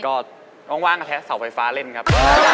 ก็ว่างกระแทะเสาไฟฟ้าเล่นครับ